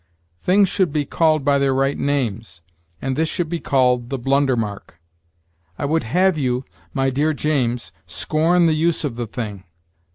Things should be called by their right names, and this should be called the blunder mark. I would have you, my dear James, scorn the use of the thing.